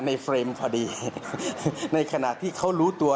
แล้วก็เรียกเพื่อนมาอีก๓ลำ